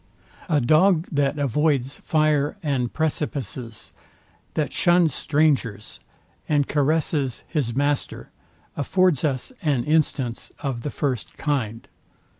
A dog, that avoids fire and precipices, that shuns strangers, and caresses his master, affords us an instance of the first kind.